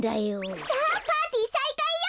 さあパーティーさいかいよ！